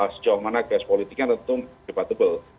sejauh mana cash politiknya tentu debatable